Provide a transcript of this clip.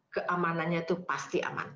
keamanannya itu pasti aman